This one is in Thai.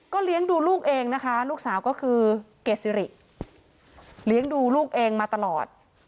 เลี้ยงดูลูกเองนะคะลูกสาวก็คือเกซิริเลี้ยงดูลูกเองมาตลอด